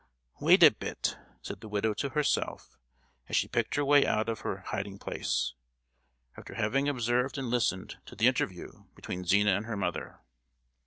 "Wait a bit!" said the widow to herself, as she picked her way out of her hiding place, after having observed and listened to the interview between Zina and her mother.